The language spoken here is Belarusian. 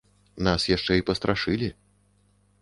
Нас яшчэ і пастрашылі.